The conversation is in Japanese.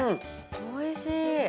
おいしい！